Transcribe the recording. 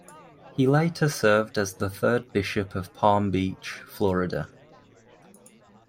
He later served as the third Bishop of Palm Beach, Florida.